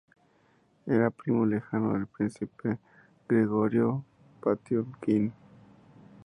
Era primo lejano del príncipe Gregorio Potiomkin.